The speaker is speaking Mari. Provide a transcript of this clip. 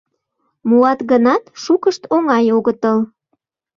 Муат гынат, шукышт оҥай огытыл.